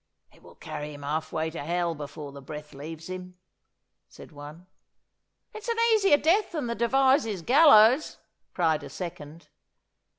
'It will carry him half way to hell before the breath leaves him,' said one. 'It's an easier death than the Devizes gallows!' cried a second.